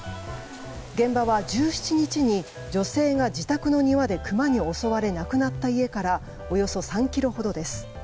現場は、１７日に女性が自宅の庭でクマに襲われ亡くなった家からおよそ３ｋｍほどです。